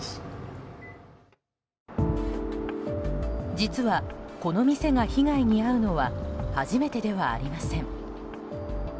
実はこのお店が被害に遭うのは初めてではありません。